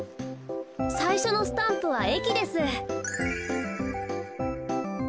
さいしょのスタンプはえきです。